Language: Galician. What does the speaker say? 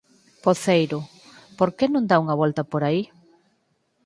Poceiro, ¿por que non dá unha volta por aí?